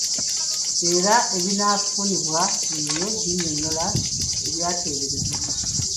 Era ebinaafunibwa by'ebyo ebinnyonnyola ebyateeberezebwa.